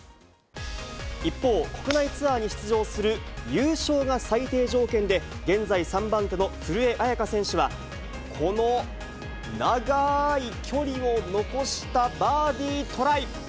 一方、国内ツアーに出場する、優勝が最低条件で現在３番手の古江彩佳選手は、この長い距離を残したバーディートライ。